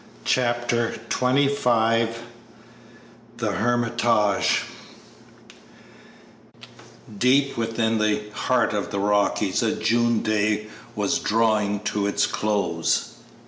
Chapter XXV THE "HERMITAGE" Deep within the heart of the Rockies a June day was drawing to its close.